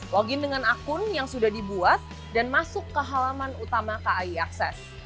login dengan akun yang sudah dibuat dan masuk ke halaman utama kai akses